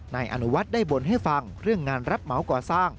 นายอนุวัฒน์ได้บ่นให้ฟังเรื่องงานรับเหมาก่อสร้าง